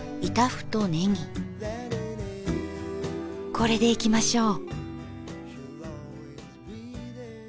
これでいきましょう。